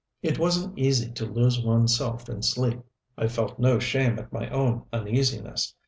It wasn't easy to lose one's self in sleep. I felt no shame at my own uneasiness.